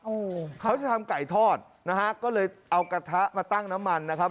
โอ้โหเขาจะทำไก่ทอดนะฮะก็เลยเอากระทะมาตั้งน้ำมันนะครับ